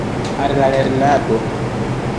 Al la lernado!